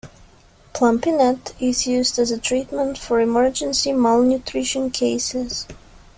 Plumpy'Nut is used as a treatment for emergency malnutrition cases.